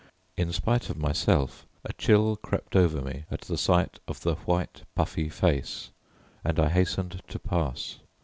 In spite of myself a chill crept over me at the sight of the white puffy face, and I hastened to pass.